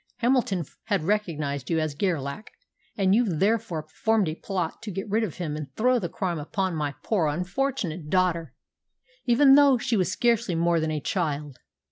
Hamilton had recognised you as Gerlach, and you therefore formed a plot to get rid of him and throw the crime upon my poor unfortunate daughter, even though she was scarcely more than a child.